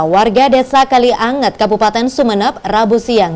warga desa kalianget kabupaten sumeneb rabu siang